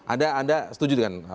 anda setuju dengan apa